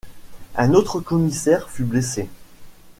Un autre commissaire fut blessé.